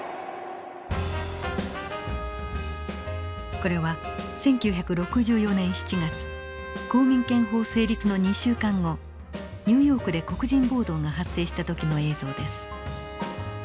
これは１９６４年７月公民権法成立の２週間後ニューヨークで黒人暴動が発生した時の映像です。